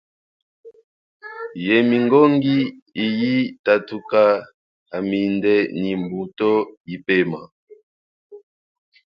Ye mingongi iyi tatuka haminde ni mbuto yipema.